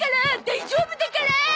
大丈夫だから！